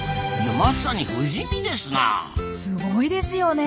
まさに不死身ですな。